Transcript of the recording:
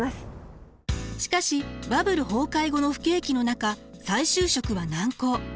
しかしバブル崩壊後の不景気の中再就職は難航。